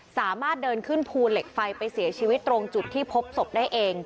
สามารถเดินขึ้นภูเหล็กไฟไปเสียชีวิตตรงจุดที่พบศพได้เอง